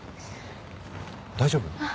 大丈夫？